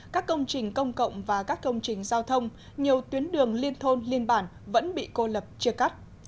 các công trình công cộng và các công trình giao thông nhiều tuyến đường liên thôn liên bản vẫn bị cô lập chia cắt